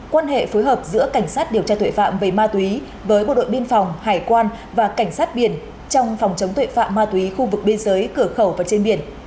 quan hệ phối hợp giữa cảnh sát điều tra tội phạm về ma túy với bộ đội biên phòng hải quan và cảnh sát biển trong phòng chống tội phạm ma túy khu vực biên giới cửa khẩu và trên biển